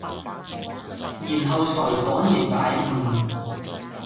然後才仿然大悟。